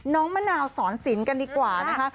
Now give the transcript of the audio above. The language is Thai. น้องมะนาวสอนศีลกันดีกว่านะคะ